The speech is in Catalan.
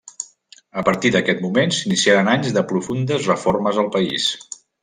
A partir d'aquest moment s'iniciaren anys de profundes reformes al país.